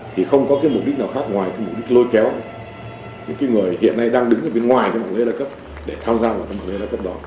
thì không có mục đích nào khác ngoài mục đích lôi kéo những người hiện nay đang đứng ở bên ngoài mạng lễ đa cấp để tham gia mạng lễ đa cấp đó